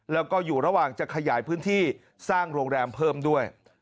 แล้วก็อยู่ระหว่างจะขยายพื้นที่สร้างโรงแรมเพิ่มด้วย